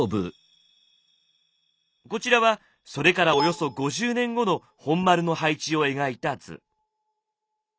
こちらはそれからおよそ５０年後の本丸の配置を描いた図。